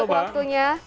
semoga berapa waktu nya